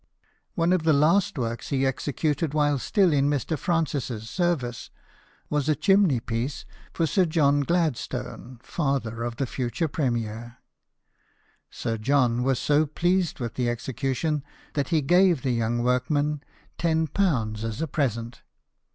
One of the last works he executed while still in Mr. Francis's service was a chimney piece for Sir John Gladstone, father of the future premier. Sir John was so pleased with the execution, that he gave the young workman ten pounds as a present.